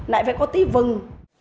lại phải có tí vừng